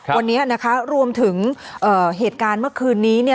วันนี้นะคะรวมถึงเหตุการณ์เมื่อคืนนี้เนี่ย